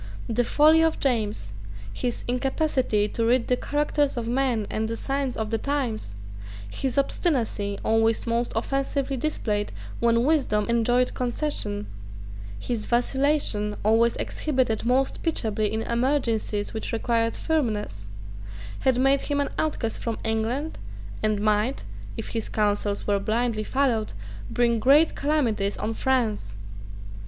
The folly of James, his incapacity to read the characters of men and the signs of the times, his obstinacy, always most offensively displayed when wisdom enjoined concession, his vacillation, always exhibited most pitiably in emergencies which required firmness, had made him an outcast from England, and might, if his counsels were blindly followed, bring great calamities on France.